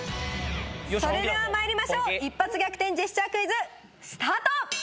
それではまいりましょう「一発逆転‼ジェスチャークイズ」スタート！